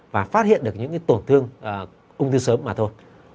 và phát hiện được những tổn thương ung thư sớm mà thôi